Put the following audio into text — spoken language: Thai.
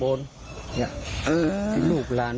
น้องเขาอยู่ห้องบาน